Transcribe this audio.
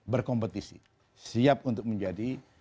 berkompetisi siap untuk menjadi